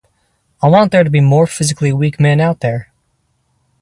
I want there to be more physically weak men out there.